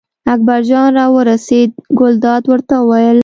اکبرجان راورسېد، ګلداد ورته وویل.